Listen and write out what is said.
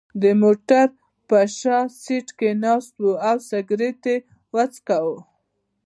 د موټر په شا سېټ کې ناست و او سګرېټ یې څکاو.